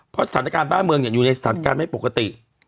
เพราะสถานการณ์บ้านเมืองอยู่ในสถานการณ์ไม่ปกติ